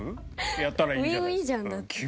やったらいいんじゃない？